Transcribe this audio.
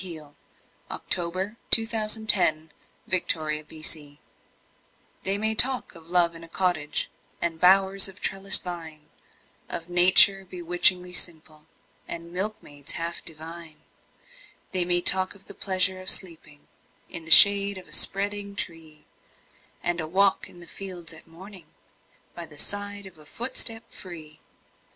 Nathaniel Parker Willis Love in a Cottage THEY may talk of love in a cottage And bowers of trellised vine Of nature bewitchingly simple, And milkmaids half divine; They may talk of the pleasure of sleeping In the shade of a spreading tree, And a walk in the fields at morning, By the side of a footstep free!